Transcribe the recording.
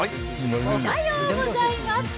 おはようございます。